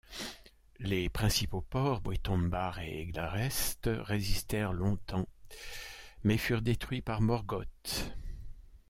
Les principaux ports, Brithombar et Eglarest, résistèrent longtemps mais furent détruits par Morgoth.